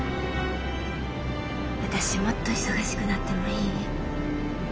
私もっと忙しくなってもいい？